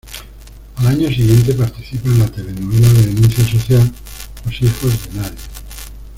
Al año siguiente participa en la telenovela de denuncia social "Los hijos de nadie".